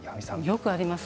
よくあります